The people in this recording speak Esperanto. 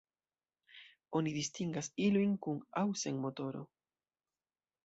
Oni distingas ilojn kun aŭ sen motoro.